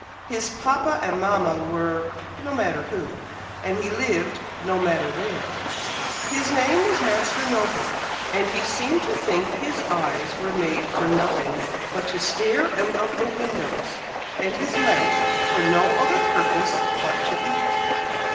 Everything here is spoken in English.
His papa and mama were no matter who, and he lived, no matter where. His name was Master No book, and he seemed to think his eyes were made for nothing but to stare out of the windows, and his mouth for no other purpose but to eat.